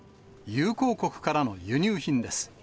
友好国からの輸入品です。